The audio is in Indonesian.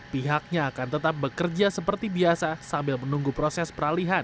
pihaknya akan tetap bekerja seperti biasa sambil menunggu proses peralihan